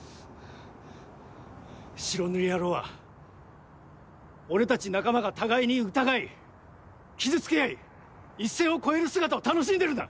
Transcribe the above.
白塗り野郎は俺たち仲間が互いに疑い傷つけ合い一線を越える姿を楽しんでるんだ。